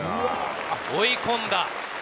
追い込んだ。